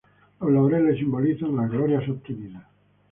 Los laureles simbolizan las glorias obtenidas